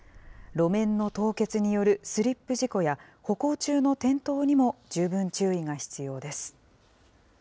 路面の凍結によるスリップ事故や歩行中の転倒にも十分注意が必要です。